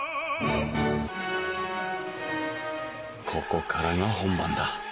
ここからが本番だ。